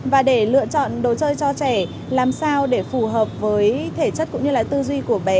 và để lựa chọn đồ chơi cho trẻ làm sao để phù hợp với thể chất cũng như là tư duy của bé